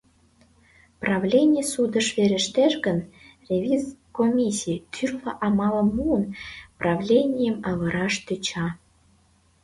Правлений судыш верештеш гын, ревиз комиссий, тӱрлӧ амалым муын, правленийым авыраш тӧча.